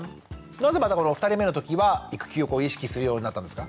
なぜまたこの２人目の時は育休を意識するようになったんですか？